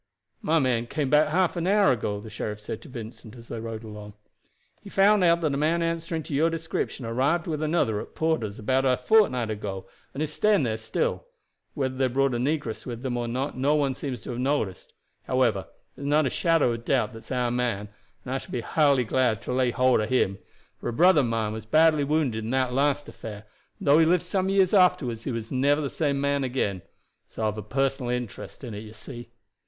"My man came back half an hour ago," the sheriff said to Vincent as they rode along. "He found out that a man answering to your description arrived with another at Porter's about a fortnight ago, and is staying there still. Whether they brought a negress with them or not no one seems to have noticed. However, there is not a shadow of doubt that it is our man, and I shall be heartily glad to lay hold of him; for a brother of mine was badly wounded in that last affair, and though he lived some years afterward he was never the same man again. So I have a personal interest in it, you see."